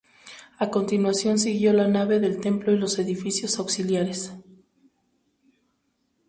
A continuación siguió la nave del templo y los edificios auxiliares.